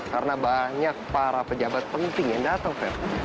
karena banyak para pejabat penting yang datang fer